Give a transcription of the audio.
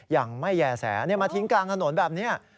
ยังไม่แย่แสมาทิ้งกลางถนนแบบนี้